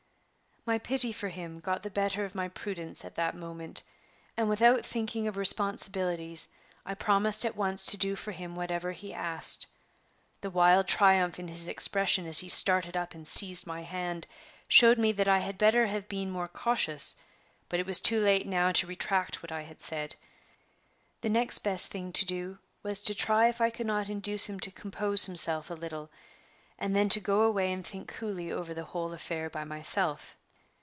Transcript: My pity for him got the better of my prudence at that moment, and without thinking of responsibilities, I promised at once to do for him whatever he asked. The wild triumph in his expression as he started up and seized my hand showed me that I had better have been more cautious; but it was too late now to retract what I had said. The next best thing to do was to try if I could not induce him to compose himself a little, and then to go away and think coolly over the whole affair by myself.